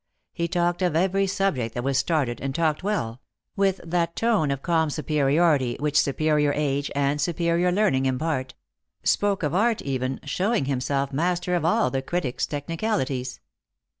Hv talked of every subject that was started, and talked well — vriiu that tone of calm superiority which superior age and superior learning impart — spoke of art even, snowing himself master of all the critic's technicalities.